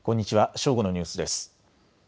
正午のニュースです。